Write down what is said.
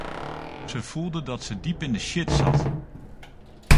Ze voelde dat ze diep in de shit zat.